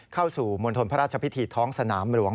เข้าสู่มณฑลพระราชพิธีท้องสนามหลวง